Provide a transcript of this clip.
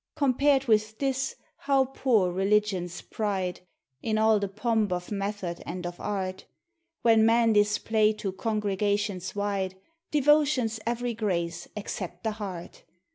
Compared with this, how poor Religion's pride, In all the pomp of method and of art, When men display to congregations wide. Devotion's every grace, except the heart